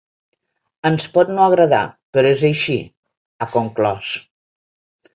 Ens pot no agradar, però és així, ha conclòs.